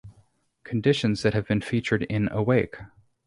Conditions that have been featured in Awake!